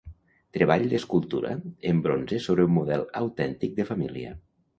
Treball d’escultura en bronze sobre un model autèntic de família.